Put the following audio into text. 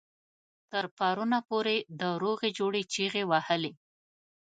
تر پرونه پورې د روغې جوړې چيغې وهلې.